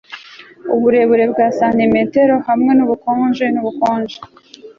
Uburebure bwa santimetero hamwe nubukonje nubukonje